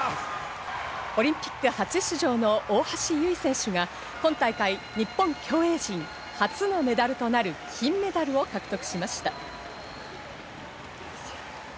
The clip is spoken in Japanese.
オリンピック初出場の大橋悠依選手が今大会日本競泳陣初のメダルとなる金メダルを獲得しました。